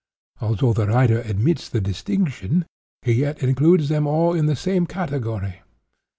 Although the writer admits the distinction, he yet includes them all in the same category.